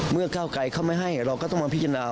ก้าวไกลเขาไม่ให้เราก็ต้องมาพิจารณา